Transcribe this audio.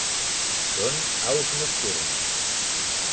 Són aus nocturnes.